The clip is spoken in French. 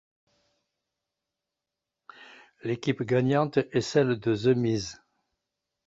L'équipe gagnante est celle de The Miz.